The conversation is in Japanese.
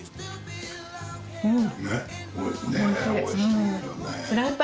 うん。